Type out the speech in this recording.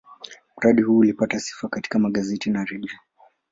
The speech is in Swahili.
Mradi huu ulipata sifa katika magazeti na redio.